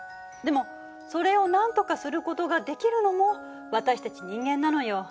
でもそれをなんとかすることができるのも私たち人間なのよ。